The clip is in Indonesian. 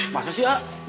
masa sih ah